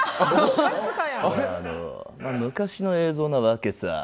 昔の映像なわけさ。